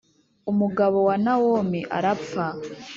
umugabo wa Nawomi arapfa